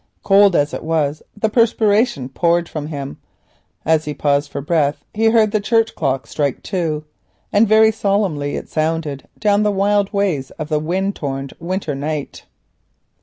Cold as it was the perspiration poured from him. As he paused for breath he heard the church clock strike two, and very solemnly it sounded down the wild ways of the wind torn winter night.